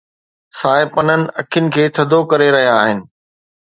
سائي پنن اکين کي ٿڌو ڪري رهيا آهن.